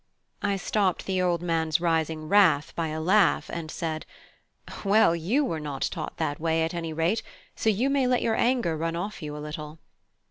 I stopped the old man's rising wrath by a laugh, and said: "Well, you were not taught that way, at any rate, so you may let your anger run off you a little."